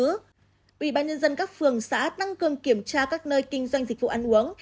ủy ban nhân dân các phường xã tăng cường kiểm tra các nơi kinh doanh dịch vụ ăn uống